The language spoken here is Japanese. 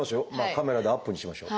カメラでアップにしましょう。